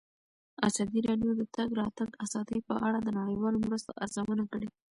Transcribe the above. ازادي راډیو د د تګ راتګ ازادي په اړه د نړیوالو مرستو ارزونه کړې.